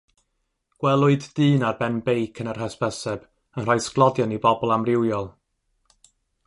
Gwelwyd dyn ar ben beic yn yr hysbyseb yn rhoi sglodion i bobl amrywiol.